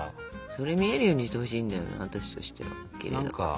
それ見えるようにしてほしいんだよな私としては。